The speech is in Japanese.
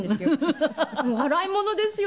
笑い者ですよ